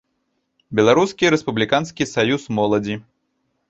Беларускі рэспубліканскі саюз моладзі.